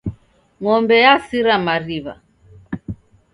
Ng'ombe yasira mariw'a.